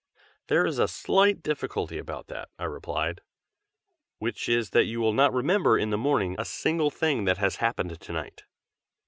"There is a slight difficulty about that," I replied, "which is that you will not remember in the morning a single thing that has happened to night."